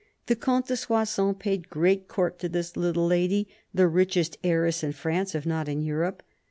The Comte de Soissons paid great court to this little lady, the richest heiress in France if not in Europe.